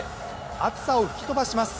暑さを吹き飛ばします。